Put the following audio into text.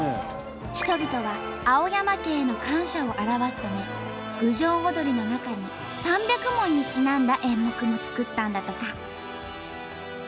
人々は青山家への感謝を表すため郡上踊りの中に３００文にちなんだ演目も作ったんだとか。